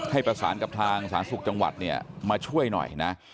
ให้ประสานกับทางสาธารณสุขจังหวัดเนี่ยมาช่วยหน่อยนะ